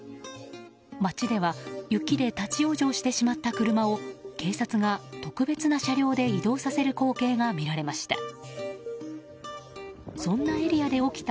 街では雪で立ち往生してしまった車を警察が特別な車両で移動させる光景が見られました。